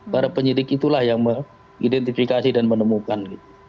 para penyidik itulah yang mengidentifikasi dan menemukan